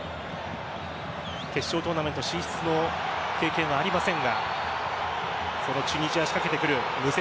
決勝トーナメント進出の経験はありませんがそのチュニジア、仕掛けてくる。